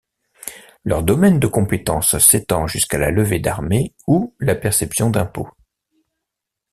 Leur domaine de compétences s'étend jusqu'à la levée d'armées ou la perception d'impôts.